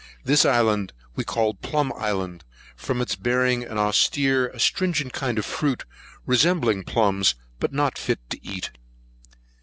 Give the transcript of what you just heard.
This island we called Plumb Island, from its bearing an austere, astringent kind of fruit, resembling plumbs, but not fit to eat.